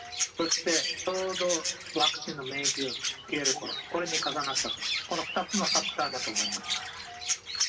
そして、ちょうどワクチンの免疫が切れるころ、これに重なったと、この２つのファクターだと思います。